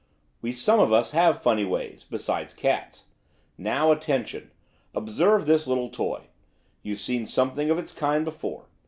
'We some of us have funny ways, beside cats. Now, attention! Observe this little toy, you've seen something of its kind before.